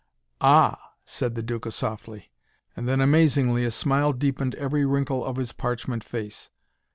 "Ah," said the Duca softly. And then, amazingly, a smile deepened every wrinkle of his parchment face.